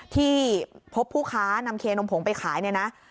ที่พบผู้ค้านำเคนมผงไปขายเนี่ยนะ